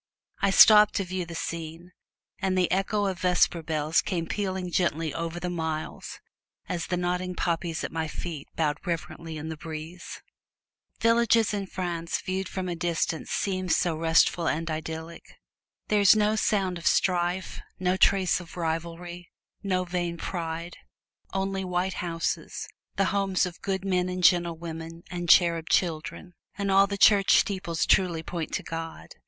I stopped to view the scene, and the echo of vesper bells came pealing gently over the miles, as the nodding poppies at my feet bowed reverently in the breeze. Villages in France viewed from a distance seem so restful and idyllic. There is no sound of strife, no trace of rivalry, no vain pride; only white houses the homes of good men and gentle women, and cherub children; and all the church steeples truly point to God.